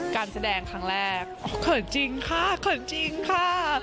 การแสดงครั้งแรกเขินจริงค่ะเขินจริงค่ะ